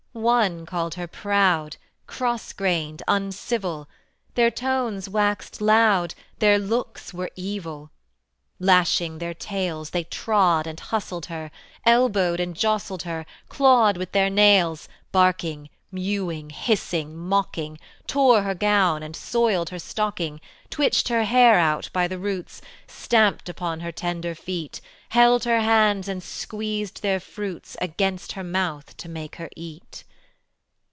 One called her proud, Cross grained, uncivil; Their tones waxed loud, Their looks were evil. Lashing their tails They trod and hustled her, Elbowed and jostled her, Clawed with their nails, Barking, mewing, hissing, mocking, Tore her gown and soiled her stocking, Twitched her hair out by the roots, Stamped upon her tender feet, Held her hands and squeezed their fruits Against her mouth to make her eat.